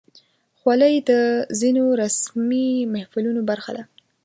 خولۍ د ځینو رسمي محفلونو برخه ده.